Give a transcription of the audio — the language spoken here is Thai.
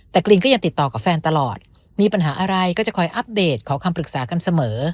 แต่กรีนก็ยังติดต่อกับแฟนตลอดมีปัญหาอะไรก็จะคอยอัปเดตขอคำปรึกษากันเสมอ